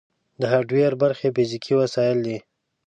د هارډویر برخې فزیکي وسایل دي.